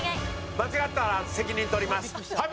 間違ったら責任取ります。